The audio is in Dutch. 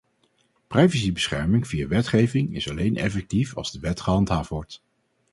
Privacybescherming via wetgeving is alleen effectief als de wet gehandhaafd wordt.